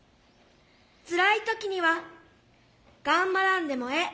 つらい時には「頑張らんでもええ